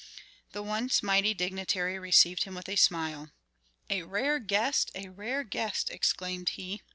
The once mighty dignitary received him with a smile. "A rare guest a rare guest!" exclaimed he.